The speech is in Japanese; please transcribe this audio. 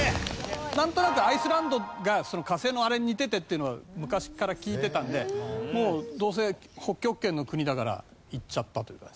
なんとなくアイスランドが火星のあれに似ててっていうのは昔から聞いてたのでもうどうせ北極圏の国だからいっちゃったという感じ。